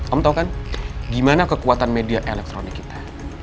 om tau kan gimana kekuatan media elektronik kita